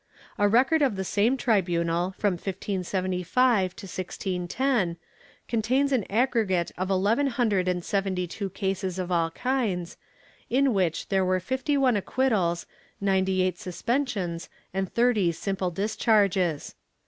A record of the same tribunal, from 1575 to 1610, con tains an aggregate of eleven hundred and seventy two cases of all kinds, in which there were fifty one acquittals, ninety eight suspensions and thirty simple discharges.